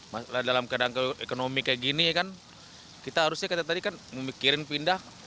masalah dalam keadaan ekonomi kayak gini kan kita harusnya tadi kan memikirin pindah